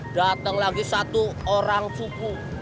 dateng lagi satu orang supu